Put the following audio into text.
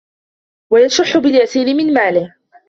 وَيَشُحُّ بِالْيَسِيرِ مِنْ مَالِهِ